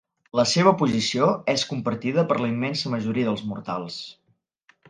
La seva posició és compartida per la immensa majoria dels mortals.